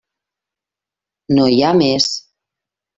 No hi ha més.